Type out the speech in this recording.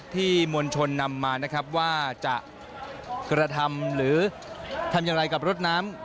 มวลชนนำมานะครับว่าจะกระทำหรือทำอย่างไรกับรถน้ำ